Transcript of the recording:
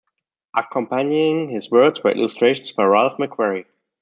Accompanying his words were illustrations by Ralph McQuarrie.